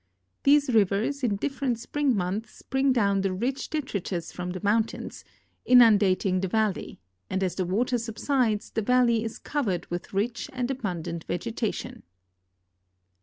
These rivers in different sprinj; months brin<,' down the rich detritus from the mountains, inundating tlie val ley, and as the water subsides the valley is covered with rich and abundant vegetation.